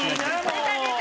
出た出た！